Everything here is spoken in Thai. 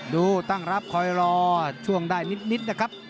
ดูตั้งรับคอยรอช่วงได้นิดนะครับ